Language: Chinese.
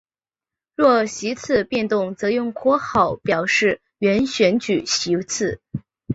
若席次变动则用括号表示原选举席次。